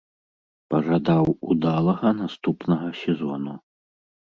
Пажадаў удалага наступнага сезону.